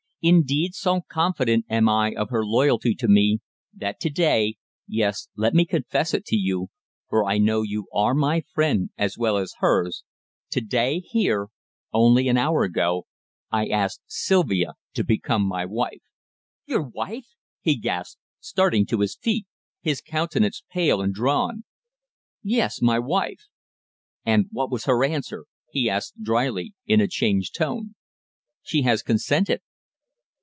Indeed, so confident am I of her loyalty to me, that to day yes, let me confess it to you for I know you are my friend as well as hers, to day, here only an hour ago, I asked Sylvia to become my wife." "Your wife!" he gasped, starting to his feet, his countenance pale and drawn. "Yes, my wife." "And what was her answer?" he asked dryly, in a changed tone. "She has consented."